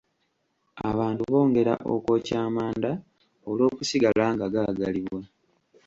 Abantu bongera okwokya amanda olw'okusigala nga gaagalibwa.